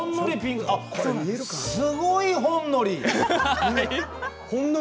すごいほんのり。